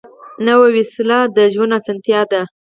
نوې وسیله د ژوند اسانتیا ده